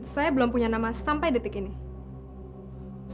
saya belum punya nama sampai detik ini